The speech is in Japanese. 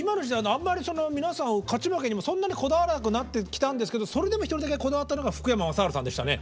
あんまりその皆さん勝ち負けにもそんなにこだわらなくなってきたんですけどそれでも一人だけこだわったのが福山雅治さんでしたね。